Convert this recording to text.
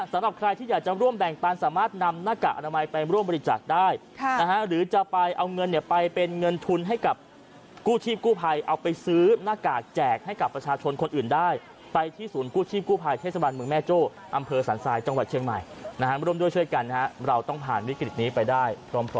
สำหรับใครที่อยากจะร่วมแบ่งปันสามารถนำหน้ากากอนามัยไปร่วมบริจาคได้นะฮะหรือจะไปเอาเงินเนี่ยไปเป็นเงินทุนให้กับกู้ชีพกู้ภัยเอาไปซื้อหน้ากากแจกให้กับประชาชนคนอื่นได้ไปที่ศูนย์กู้ชีพกู้ภัยเทศบาลเมืองแม่โจ้อำเภอสันทรายจังหวัดเชียงใหม่นะฮะร่วมด้วยช่วยกันนะฮะเราต้องผ่านวิกฤตนี้ไปได้พร้อม